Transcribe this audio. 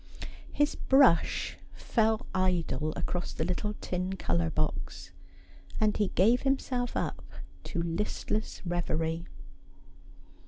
His brush fell idle across the little tin colour box, and he gave himself up to listless reverie.